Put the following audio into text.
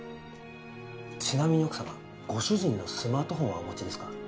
ちなみに奥様ご主人のスマートフォンはお持ちですか？